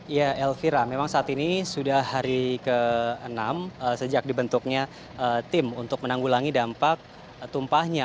ya elvira memang saat ini sudah hari ke enam sejak dibentuknya tim untuk menanggulangi dampak tumpahnya